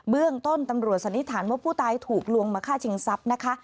เบื้องต้นตำรวจสันนิษฐานว่าผู้ตายถูกลวงมาฆ่าชิงทรัพย์นะคะ